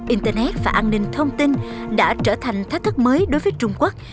internet và an ninh thông tin đã trở thành thách thức mới đối với trung quốc